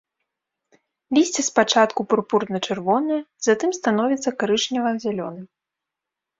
Лісце спачатку пурпурна-чырвонае, затым становяцца карычнева-зялёным.